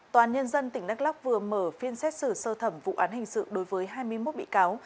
tòa án nhân dân tỉnh đắk lóc vừa mở phiên xét xử sơ thẩm vụ án hình sự đối với hai mươi một bị cáo